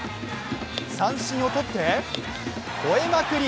三振をとって、ほえまくり。